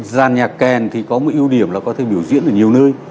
giàn nhạc kèn thì có một ưu điểm là có thể biểu diễn ở nhiều nơi